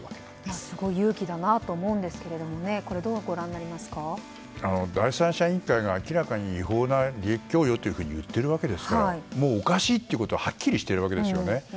すごい勇気だなと思うんですけれども第三者委員会が明らかに違法な供与と言っているわけですからおかしいということははっきりしているわけですよね。